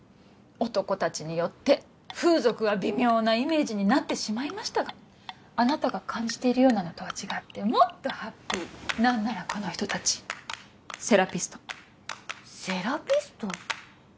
男達によって風俗は微妙なイメージになってしまいましたがあなたが感じているようなのとは違ってもっとハッピー何ならこの人達セラピストセラピスト？